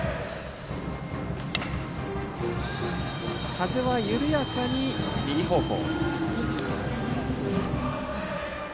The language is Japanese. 風は緩やかに右方向。